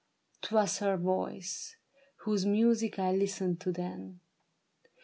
'Twas her voice Whose music I Ustened to then.